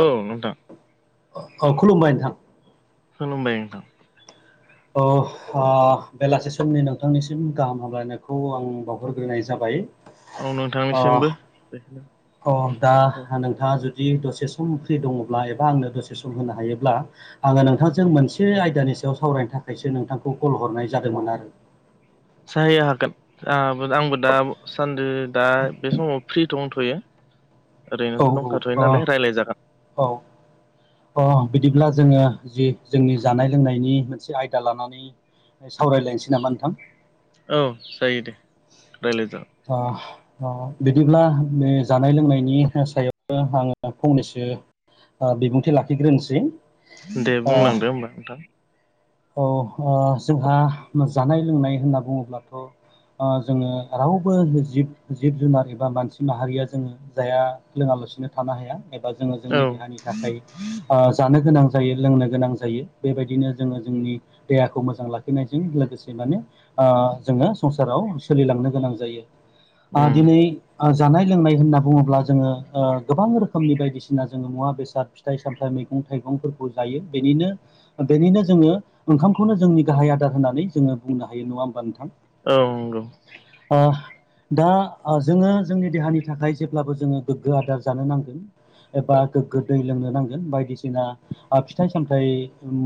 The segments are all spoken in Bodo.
ओं नों औ खुलुमबाय नोंथां खुलुमबाय नोंथां अ आ बेलासे समनि नोंथांनिसिम गाहाम हामलायनायखौ आं बावहरग्रोनाय जाबाय औ अ नोंथांनिसिमबो अ दा औ नोंथाङा जुदि दसे सम फ्रि दङब्ला एबा आंनो दसे सम होनो हायोब्ला आङो नोंथांजों मोनसे आयदानि याव सावरायनो थाखायसो नोंथांखौ कल हरनाय जादोंमोन आरो साहाय हागोन आ आंबो दा सान्दै दा बे समाव फ्रि थ' दथ'यो। औ औ रायलायजागोन अ औ अ बिदिब्ला जों जोङो जि जोंनि जानाय लोंनायनि मोनसे आयदा लानानै सावरायलायनोसै नामा नोंथां? औ जायो दे रायलाय जागोन ओ अ बिदिब्ला बे जानाय लोंनायनि सायाव आङो फंनैसो बिबुंथि लाखिग्रोनोसै दे ओ बुंलांदो होमबा नोंथां। औ जोंहा जानाय लोंनाय होनना बुङोब्लाथ' ओ जोङो रावबो जिब जिब जुनार एबा मानसि माहारिया जोङो जाया लोङालासिनो थानो हाया एबा जोङो जोंनि औ देहानि थाखाय ओ जानो गोनां जायो लोंनो गोनां जायो बेबायदिनो जोङो जोंनि देहाखौ मोजां लाखिनायजों लोगोसे माने ओ जोङो संसाराव सोलिलांनो गोनां जायो। ओ उम दिनै जानाय लोंनाय होनना बुङोब्ला जोङो गोबां रोखोमनि बायदिसिना जोङो मुवा बेसाद फिथाइ सामथाइ मैगं थाइगंफोरखौ जायो बेनिनो बेनिनो जोङो ओंखामखौनो जोंनि गाहाय आदार होननानै जोङो बुंनो हायो नङा होमबा नोंथां। औ नंगौ। दा जोङो जोंनि देहानि थाखाय जेब्लाबो जोङो गोग्गो आदार जानो नांगोन एबा गोगो दै लोंनो नांगोन बायदिसिना फिथाइ सामथाइ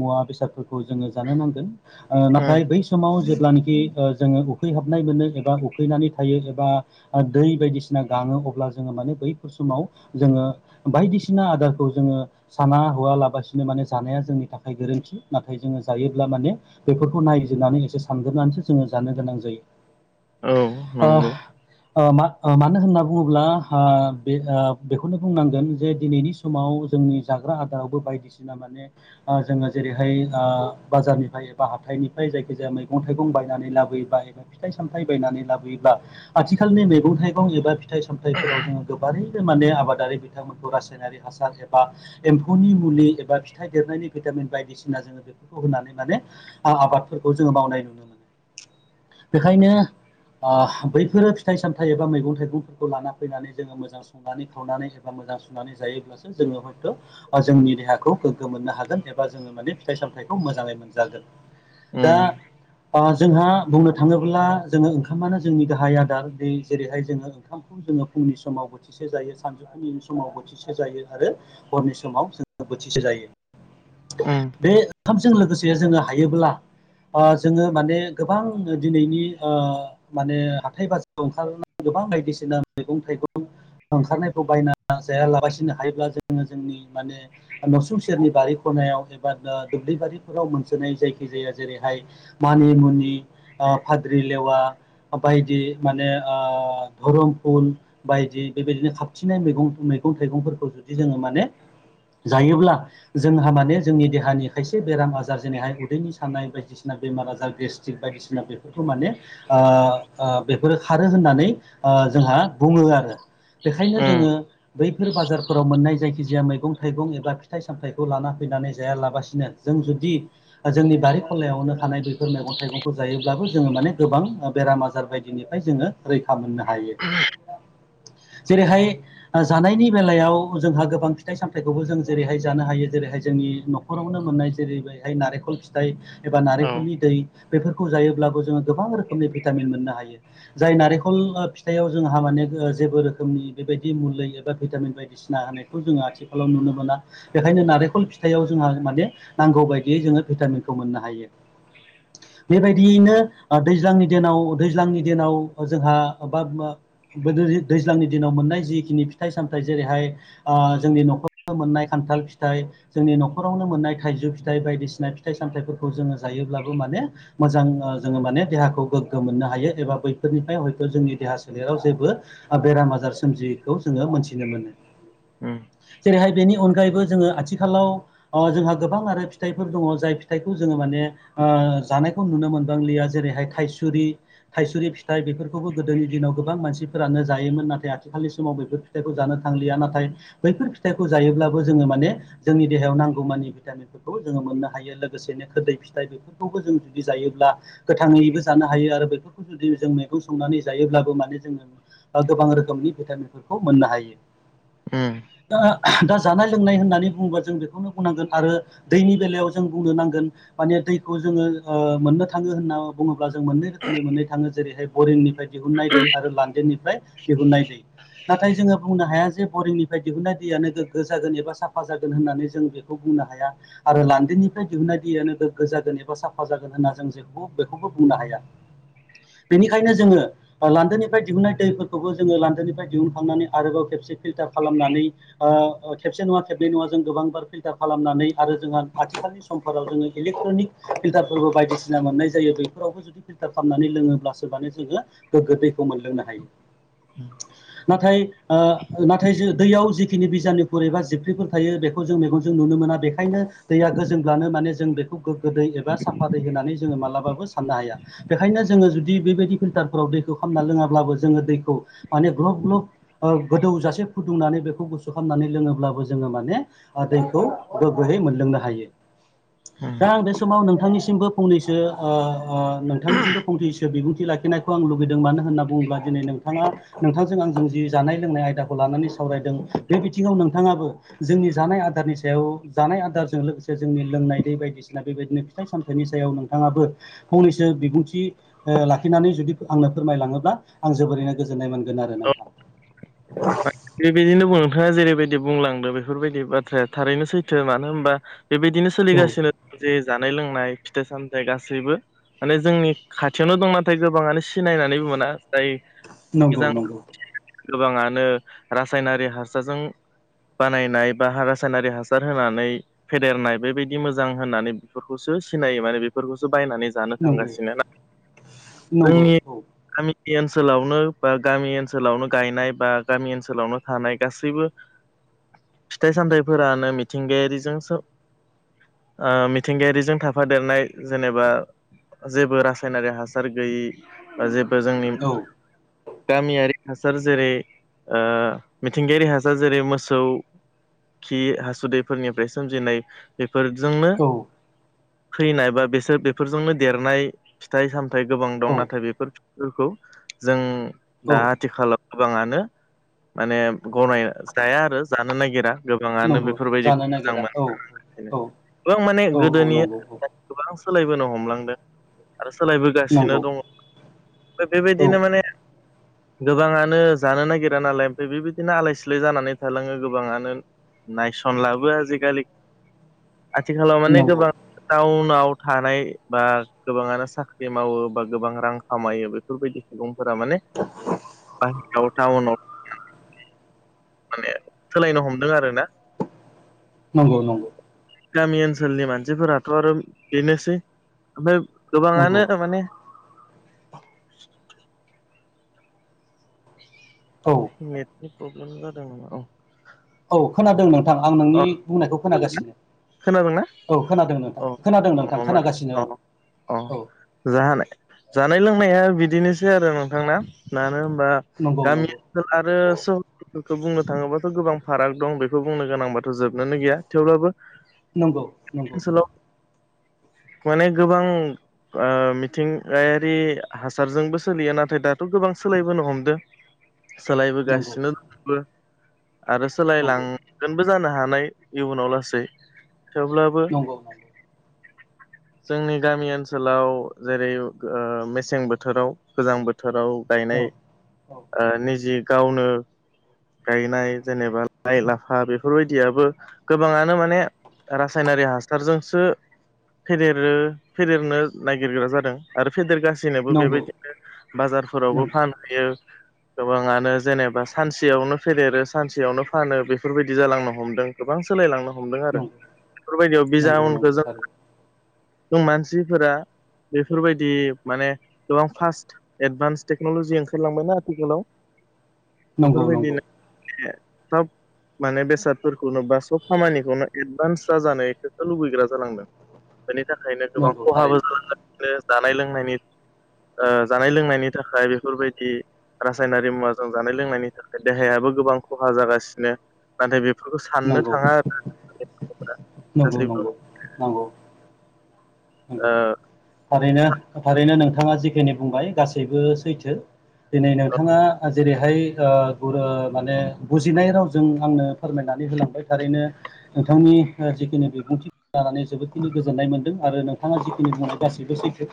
मुवा बेसादफोर खौ जोङो जानो नांगोन ओ उम नाथाय बै समाव जेब्लानोाखि ओ जोङो उखैहाबनाय मोनो एबा उखैनानै थायो एबा दै बायदिसिना गाङो अब्ला जोङो माने बै समाव जोङो बायदिसिना आदारखौ जोङो साना हवा लाबसिनो माने जानाया जों नि थाखाय गोरोन्थि नाथाय जोङो जायोब्ला माने बेफोरखौ नायजोबनानै एसे सानग्रोबनानैसो जोङो जानो गोनां जायो। औ ओ नंगौ। ओ मा ओ मानो होनना बुङोब्ला ओ ओ बे बेखौनो बुंनांगोन जे दिनैनि समाव जोंनि जाग्रा आदारावबो बायदिसिना माने ओ जोङो जेरैहाय ओ बाजारनिफ्राय एबा हाथाइनिफ्राय जायखिजाया मैगं थाइगं बायनानै लाबोबाय फिथाइ सामथाय बायनानै लाबोयोब्ला आथिखालनि मैगं थाइगं एबा फिथाइ सामथाइफोराव जोङो [unintelligible] माने आबादारि बिथांमोनखौ रासायनारि हासार एबा एम्फौनि मुलि एबा फिथाइ देरनायनि सि भिटामिन बायदिसिना जोङो बेफोरखौ होनानै माने आबादफोरखौ जोङो मावनाय बेखायनो ओ बैफोरो फिथाइ सामथाइ एबा मैगं थाइगंफोरखौ लाना फैनानै जोङो मोजां संनानै खावनानै एबा मोजां सुनानै जायोब्लासो जोङो हयथ' जोंनि देहाखौ गोग्गो मोन नो हागोन एबा जोङो माने फिथाइ सामथाइखौ मोजांयै मोनजागोन दा उम ओ जोंहा बुंनो थाङोब्ला जोङो ओंखामानो जोंनि गाहाय आदार दै जेरैहाय जोङो ओंखामखौ जोङो फुंनि समाव बोथिसे जायो सानजौफुनि समाव बोथिसे जायो आरो हरनि समाव जोङो बोथिसे जायो। उम बे ओंखामजों लोगोसे जोङो हायोब्ला ओ जोङो माने गोबां दिनैनि ओ माने हाथाय बाजाराव ओंखारनांगौ गोबां बायदिसिना मैगं थाइगं ओंखारनायखौ बायना जायालागासिनो हायोब्ला जोङो जोंनि माने नसुं सेरनि बारिख नायाव एबा दुब्लिबारिफोराव मोनसोनाय जायखि जाया जेरैहाय मानि मुनि फाद्रि लेवा बायदि माने धरम फुल बायदि बेबायदिनो खाबथिनाय मैगं मैगं थाइगंफोरखौ जुदि जोङो माने जायोब्ला जोंहा माने जोंनि देहानि खायसे बेराम आजार जेनैहाय उदैनि साननाय बायदिसिना बेमार आजार गेस्ट्रिक बायदिसिना बेफोरखौ माने ओ ओ बेफोरो खारो होननानै ओ जोंहा बुङो आरो बेखायनो उम जोङो बैफोर बाजारफोराव मोननाय जायखिजाया मैगं थाइगं एबा फिथाइ सामथायाइखौ लाना फैनानै जायालाबसिनो जों नों जुदि जोंनि बारि खनायावनो थानाय बेफोर मैगं थाइगंखौ जायोब्लाबो जोङो माने गोबां बेराम आजार बायदिनिफ्राय जोङो रैखा मोननो हायो। जेरैहाय ओ जानायनि बेलायाव जोंहा गोबां फिथाइ सामथाइखौबो जों जेरैहाय जानो हायो जेरै रैहाय जोंनि न'खरावनो मोननाय जेरै बेहाय नारेंखल फिथाइ एबा औ नारेंखलनि दै बेफोरखौ जायोब्लाबो जोङो गोबां रोखोमनि भिटामिन मोननो हायो जाय नारेंखल थायाव जोंहा माने जेबो रोखोमनि बेबायदि मुलि एबा भिटामिन बायदिसिना होनायखौ जोङो आथिखालाव नुनो मोन मोना बेखायनो नारेंखल फिथाइयाव जोंहा माने नांगौ बायदियै जोङो भिटामिनखौ मोननो हायो। बेबायदियैनो दैज्लांनि दिनाव दैज्लांनि दिनाव जोंहा बाबिमा बोदोरि दैज्लांनि दिनाव मोननाय जिखिनि फिथाइ सामथायाइ जेरैहाय आ जोंनि नखर मोननाय खान्थाल फिथाइ जोंनि नखरावनो मोननाय थाइजौ फिथाइ बायदिसिना फिथाइ सामथाइफोरखौ जोङो जायो योब्लाबो माने मोजां जोङो माने देहाखौ गोग्गो मोननो हायो एबा बैफोरनिफ्राय हयथ जोंनि देहा सोलेराव जेबो बेराम आजार सोमजियैखौ जोङो मोनथिनो मोनो उम जेरैहाय बेनि अनगायैबो जोङो आथिखालाव जोंहा गोबां आरो फिथाइफोर दङ जाय फिथाइखौ जोङो माने आ जानाय खौ नुनो मोनबांलिया जेरैहाय थायसुरि थायसुरि फिथाय बेफोरखौबो गोदोनि दिनाव गोबां मानसिफोरानो जायोमोन नाथाय आथिखालनि समाव बैफोर फिथाइखौ जानो थांलिया नाथाय बैफोर फिथाइखौ जायोब्लाबो जोङो माने जोंनि देहायाव नांगौमानि भिटामिनफोरखौ जोङो मोननो हायो लोगोसेनो खोरदै फिथाइ बेफोरखौबो जों जुदि जायोब्ला गोथाङैबो जानो हायो आरो बेफोरखौ जुदि जों मैगं संनानै जायोब्लाबो माने जोङो गोबां रोखोमनि भिटामिनफोरखौ मोननो हायो। उम दा दा जानाय लोंनाय होननानै बुङोबा जों बेखौनो बुंनांगोन आरो दैनि बेलायाव जों बुंनो नांगोन माने दैखौ जोङो ओ मोननो थाङो होनना बुङो ब्ला जों मोननै रोखोमै मोननो थाङो जेरैहाय बरिंनिफ्राय दिहुननाय दै आरो लान्देननिफ्राय दिहुननाय दै नाथाय जोङो बुंनो हाया जे बरिंनिफ्राय दिहुननाय दैयानो गोग्गो जागोन एबा साफा जागोन होननानै जों बेखौ बुंनो हाया आरो लान्देननि फ्राय दिहुननाय दैयानो गोग्गो जागोन एबा साफा जागोन होन्ना जों जे बेखौबो बुंनो हाया बेनिखायनो जोङो लान्दोनिफ्राय दिहुननाय दैफोरखौबो जोङो लान्दोनिफ्राय दिहुनखांनानै आरोबाव खेबसे फिल्टार खालामनानै आ खेबसे नङा खेबनै नङा जों गोबांबार फिल्टार खालामनानै आरो जोंहा आथिखालनि समफोराव जोङो इलेक ट्रनिक फिल्टारफोरबो बायदिसिना मोननाय जायो बेफोरावबो जुदि फिल्टार खालामनानै लोङोब्लासो माने जोङो गोग्गो दैखौ मोनलोंनो हायो। नाथाय ओ नाथाय जे दैयाव जिखिनि बिजानुफोर एबा जिबख्रिफोर थायो बेखौ जों मेगनजों नुनो मोना बेखायनो दैया गोजोंब्लानो माने जों बेखौ गोग्गो दै एबा साफा दैै होनानै जोङो मालाबाबो साननो हाया बेखायनो जोङो जुदि बेबायदि फिल्टारफोराव दै खालामना लोङाब्लाबो जोङो दैखौ माने ग्लब ग्लब गोदौ जासे फुदुंनानै बेखौ गुसु खालाम नानै लोङोब्लाबो जोङो माने दैखौ गोग्गोयै मोनलोंनो हायो। उम दा आं बे समाव नोंथांनिसिमबो फंनैसो ओ ओ नोंथांनिसिमबो फंनैसो बिबुंथि लाखिनायखौ आं लु गैदों मानो होनना बुङोब्ला दिनै नोंथाङा नोंथांजों आंजों जि जानाय लोंनाय आयदाखौ लानानै सावरायदों बे बिथिङाव नोंथाङाबो जोंनि जानाय आदारनि सायाव जानाय आदारजों लोगोसे जोंनि लोंनाय दै बायदिसिना बेबायदिनो फिथाइ सामथाइनि सायाव नोंथाङाबो फंनैसो बिबुंथि लाखिनानै जुदि आंनो फोरमायलाङोब्ला आं जोबोरैनो गोजोननाय मोनगोन आरो नोंथां। बेबायदिनो नोंथाङा जेरैबायदि बुंलांदो बेफोरबायदि बाथ्राया थारैनो सैथो मानो होनबा बेबायदिनो औ सोलिगासिनो दं जे जानाय लोंनाय फिथाइ सामथाइ गासैबो माने जोंनि खाथियावनो दं नाथाय गोबाङानो सिनायनानैबो मोना जाय नंगौ मोजां नंगौ गोबाङानो रासायनारि हासारजों बानायनाय बा रासायनारि हासार होनानै फेदेरनाय बेबायदि मोजां होनानै बेफोरखौसो सिनायो माने बेफोरखौसो बायनानै जानो नंगौ थांगासिनो नंगौ जोंनि ओनसोलावनो बा गामि ओनसोलावनो गायनाय बा गामि ओनसोलावनो थानाय गासैबो फिथाइ सामथाइफोरानो मिथिंगायारिजों सो आ मिथिंगायारिजों थाफादेरनाय जेनेबा जेबो रासायनारि हासार गैयि जे बो जोंनि औ गामियारि हासार जेरै ओ मिथिंगायारि हासार जेरै मोसौ खि हासुदैफोरनिफ्राय सोमजिनाय बे फोरजोंनो औ फैनाय बा बेसोर बेफोरजोंनो देरनाय फिथाइ-साम थाय गोबां दं औ नाथाय बेफोरफोरखौ जों दा औ आथिखालाव गोबाङानो माने गनाय जाया आरो जानो नागिरा। गोबाङानो नंगौ बेफोरबायदिखौ जानो मोजां नागिरा औ मोना औ गोबां माने औ गोदोनि नंगौ औ गोबां सोलायबोनो हमलांदों आरो सोलायबोगासिनो नंगौ दङ ओमफ्राय औ बेबायदिनो माने गोबाङानो जानो नागिरा नालाय ओमफफ्राय बेबायदिनो आलाय सिलाय जानानै थालाङो गोबाङानो नायसनलाबो आजिखालि [inaudible] आथिखालाव माने नंगौ गोबां टाउन नाव थानाय बा गोबाङानो साख्रि मावो बा गोबां रां खामायो बेफोरबायदि सुबुं फोरा माने बासुगाव थउनाव माने सोलायनो हमदों आरोना नंगौ नंगौ गामि ओनसोलनि मानसिफोराथ' आरो बेनोसै ओमफ्राय नंगौ गोबाङानो माने औ नेटनि प्रब्लेम जादोंमोन औ औ खोनादों नोंथां आं नोंनि अ बुंनायखौ खोनागासिनो। खोनादोंना औ खोनादों नोंथां अ खोनादों अ नोंथां माने खोनागासिनो अ अ औ जानाय जानाय लोंनाया बिदिनोसै आरो नोंथांना मानो होनबा नंगौ गामि नंगौ ओनसोल आरो खौ बुंनो थाङोबाथ' गोबां फाराग दं बेखौ बुंनो गोनांबाथ' जोबनोनो गैया थेवब्लाबो नंगौ नंगौ। ओनसोलाव माने गोबां ओ मिथिंगायारि हासारजोंबो सोलिया नाथाय दाथ' गोबां सोलायबोनो हमदों नंगौ सोलायबोगासिनो दंजोबो आरो नंगौ सोलायलांगोनबो जानो हानाय इयुनाव लासै थेवब्लाबो नंगौ नंगौ [inaudible] जोंनि गामि ओनसोलाव जेरै मेसें बोथोराव गोजां बो थोराव औ गायनाय ओ निजि गावनो गायनाय जेनेबा लाइ-लाफा बे फोरबायदियाबो गोबाङानो माने रासायनारि हासारजोंसो फेदेरो फेदेरनो नागिरग्रा जादों आरो फेदेरगासि नोबो नंगौ बेबायदिनो बाजारफोरावबो नंगौ फानहैयो गोबाङानो जेनेबा सानसेयावनो फेदेरो सानसेयावनो फानो बेफोरबाय दि जालांनो हमदों गोबां सोलायलांनो हमदों आरो बेफोरबायदियाव नंगौ बिजाउनखौ जों जों मानसिफोरा बेफोरबायदि माने गोबां फास्ट एडभान्स टेक्न'लजि ओंखारलांबायना आथिखालाव नंगौ बेफोरबायदिनो नंगौ सब माने बेसादफोरखौनो बा सब खामानिखौनो एदबानस जानायखौसो लुबैग्रा जालांदों बेनि थाखायनो गोबां नंगौ खहाबो थारैनो जालांगासिनो जानाय लोंनायनि ओ जानाय लोंनायनि थाखाय बेफोरबायदि रासायनारि मुवाजों जानाय लोंनायनि थाखाय देहायाबो गोबां खहा जागासिनो नाथाय बेफोरखौ साननो नंगौ थाङा आरो नंगौ गासैबो नंगौ नगौ। नंगौ थारैनो थारैनो नोंथाङा जिखिनि बुंबाय गासैबो सैथो दिनै नोंथाङा जेरैहाय माने बुजिनाय रावजों आंनो फोरमायनानै होलांबाय थारैनो नोंथांनि जिखिनि बिबुंथि जानानै जोबोदखिनि गोजोननाय मोनदों आरो नोंथाङा जिखिनि बुंनाय गासैबो सैथो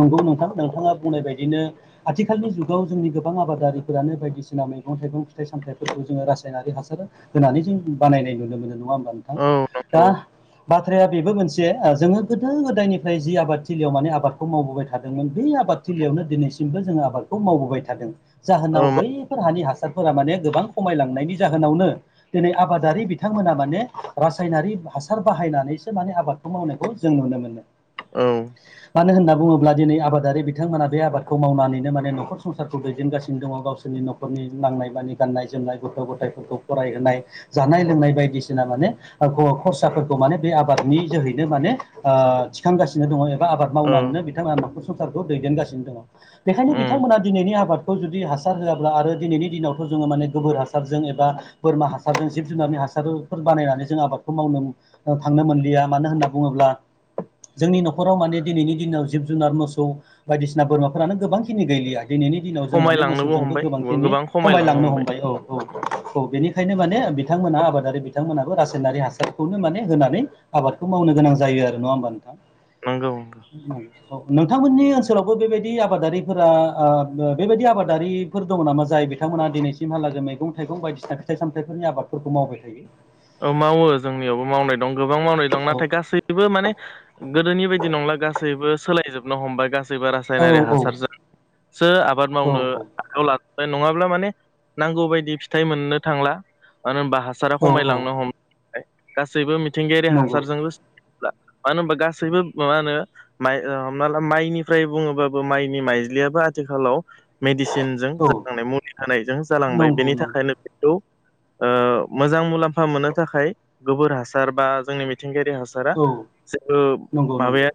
नंगौ नोंथां नोंथाङा बुंनाय बायदिनो आथिखालनि जुगाव जोंनि गोबां आबादारिफोरानो बायदिसिना मैगं थाइगं फिथाइ सामथायफोरखौ जोङो रासायनारि हासार होनानै जों बानायनाय नुनो मोन नंङा होनबा नोंथां ओ औ दा नंगौ बाथ्राया बेबो मोनसे जोङो गोदो गोदायनि जाय जि आबादथिलियाव माने आबादखौ मावबोबाय थादोंमोन बे आबादथिलियावनो दिनैसिमबो जों आबादखौ मावबोबाय थादों जाहोनाव औ बैफोर हानि हासार फोर माने गोबां खमायलांनायनि जाहोनावनो दिनै आबादारि बिथांमोना माने रासायनारि हासार बाहायनानैसो माने आबादखौ मावनायखौ जों नुनो मोनो औ मानो होनना बुङोब्ला दिनै आबादारि बिथांमोना बे आबादखौ मावनानैनो माने नखर संसार दैदेनगासिनो दङ गावसोरनि नखरनि नांनाय मानि गाननाय जोमनाय गथ गथायफोरखौ फरायहोनाय जानाय लोंनाय बायदिसिना माने खरसाफोरखौ माने बे आबादनि जोहैनो माने ओ थिखांगासिनो दंङ एबा आबाद औ मावनानैनो बिथांमोना नखर संसारखौ दैदेनगासिनो दङ बेखायनो उम बिथांमोना दिनैनि आबाद खौ जुदि हासार होआब्ला आरो दिनैनि दिनावथ जोङो माने गोबोर हासारजों एबा बोरमा हासारजों जिब जुनारनि हासार हासारफोर बानायनानै जों आबादखौ मावनो थांनो मोनलिया मानो होनना बुङोब्ला जोंनि नखराव माने दिनैनि दिनाव जिब जुनार मोसौ बायदिसिना बोरमाफोरानो गोबांखिनि गैलिया दिनैनि दिनाव जों माने खमायलांनोबो मोसौजोंबो हमबाय गोबांखिनि गोबां खमायलांनो हमबाय औ औ औ बेनि बे ओंखायनो माने बिथांमोना आबादारि बिथांमोनाबो रासायनारि हासारखौनो माने होनानै आबादखौ मावनो गोनां जायो आरो नङा होमबा नोंथां नंगौ नोंथांमोननि ओनसोलावबो बेबायदि आबादारिफोरा ओ बेबायदि आबादारिफोर दङ नामा जाय जाय बिथांमोना दिनैसिमहालाग मैगं थाइगं बायदिसिना फिथाइ सामथायफोरनि आबादफोरखौ मावबाय थायो औ मावो जोंनियावबो मावनाय दं गोबां मावनाय दं औ नाथाय गासैबो माने गोदोनि बायदि नंला गासैबो सोलायजोबनो हमबाय गासै सोरबा औ रासायनारि हासारजोंसो आबाद औ मावनो आखायाव ला नङाब्ला माने नांगौ बायदि फिथाइ मोननो थांला मानो होनबा हासारा औ खमायलां औ बाय गासैबो मिथिंगायारि नंगौ हासारजोंसो मानो होनबा गासैबो मा होनो माइ हमना ला माइनिफ्राय बुङोबाबो माइनि माइ लियाबबो आथिखालाव मेडिसिन जों औ जालांनाय मुलि हानायजों जालांबाय नंगौ बेनि नंगौ थाखायनो बेखौ ओ मोजां मुलाम्फा मोननो थाखाय गोबोर हासार बा जोंनि मिथिं मिथिंगायारि हासारा औ जेबो नंगौ नंगौ माबाया